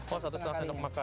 oh satu setengah sendok makan